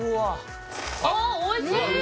あーっおいしい！